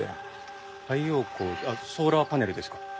太陽光ソーラーパネルですか？